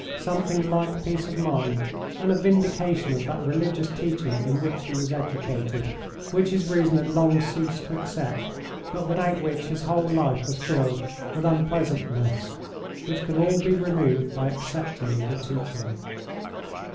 something like peace of mind and a vindication of that religious teaching in which he was educated, which his reason had long ceased to accept, but without which his whole life was filled with unpleasantness which could all be removed by accepting the teaching.